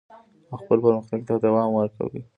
او خپل پرمختګ ته دوام ورکوي.